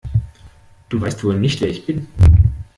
Du weißt wohl nicht, wer ich bin!